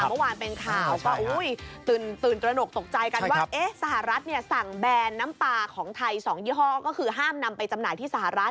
เมื่อวานเป็นข่าวก็ตื่นตระหนกตกใจกันว่าสหรัฐสั่งแบนน้ำปลาของไทย๒ยี่ห้อก็คือห้ามนำไปจำหน่ายที่สหรัฐ